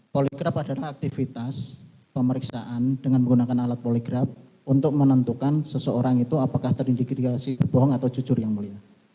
poligraf adalah aktivitas pemeriksaan dengan menggunakan alat poligraf untuk menentukan seseorang itu apakah terindikasi bohong atau jujur yang mulia